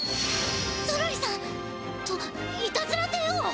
ゾロリさん！といたずら帝王！